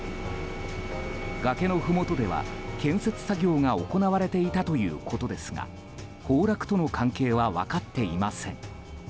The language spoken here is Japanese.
崖のふもとでは、建設作業が行われていたということですが崩落との関係は分かっていません。